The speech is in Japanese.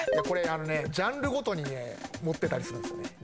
これジャンルごとにね持ってたりするんすよね。